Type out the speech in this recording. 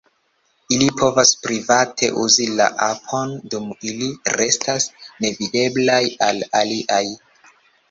Ili povos private uzi la apon dum ili restas nevideblaj al aliaj.